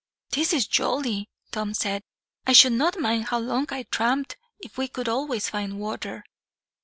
"This is jolly," Tom said. "I should not mind how long I tramped, if we could always find water."